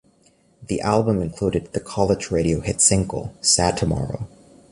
The album included the college radio hit single, "Sad Tomorrow".